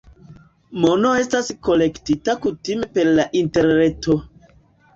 Mono estas kolektita kutime per la Interreto.